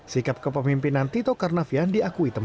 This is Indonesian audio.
sikap kepemimpinan tito karnavian diakui teman teman